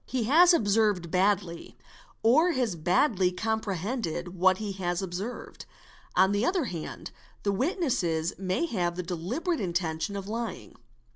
He has observed badly or has badly comprehended what he has observed. On the other hand the witness may have the deliberate intention of lying.